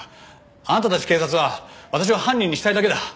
あなたたち警察は私を犯人にしたいだけだ。